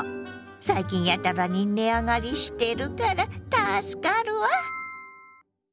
最近やたらに値上がりしてるから助かるわ！